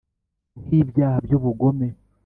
Nk ibyaha by ubugome